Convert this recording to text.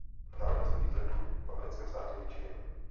Narodil se v Detroitu v americkém státě Michigan.